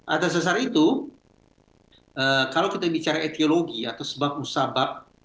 atas dasar itu kalau kita bicara etiologi atau sebab musabab